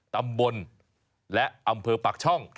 ตำบลและอำเภอปากช่อง